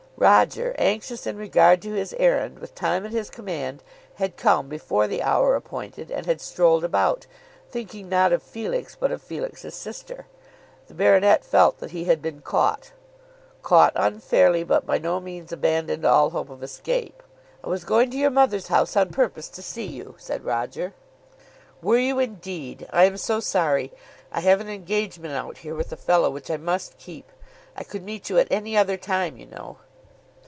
Roger, anxious in regard to his errand, with time at his command, had come before the hour appointed and had strolled about, thinking not of Felix but of Felix's sister. The baronet felt that he had been caught, caught unfairly, but by no means abandoned all hope of escape. "I was going to your mother's house on purpose to see you," said Roger. "Were you indeed? I am so sorry. I have an engagement out here with a fellow which I must keep. I could meet you at any other time, you know."